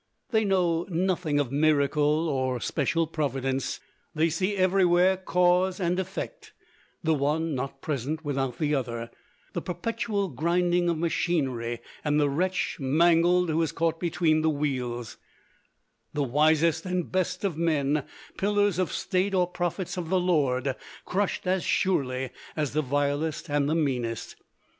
They know nothing of miracle or special providence. They see everywhere cause and effect; the one not present without the other; the perpetual grinding of machinery and the wretch mangled who is caught between the wheels; the wisest and best of men, pillars of state or prophets of the Lord, crushed as surely as the vilest and the meanest.